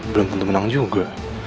belum tentu menang juga